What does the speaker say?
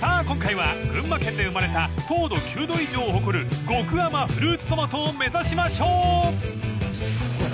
今回は群馬県で生まれた糖度９度以上を誇る極甘フルーツトマトを目指しましょう！］